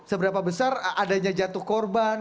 seberapa besar adanya jatuh korban